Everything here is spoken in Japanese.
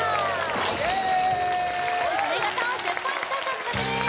ＯＫ１０ポイント獲得です